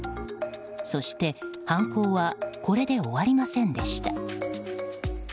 そして、犯行はこれで終わりませんでした。